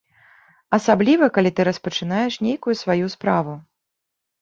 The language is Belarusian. Асабліва, калі ты распачынаеш нейкую сваю справу.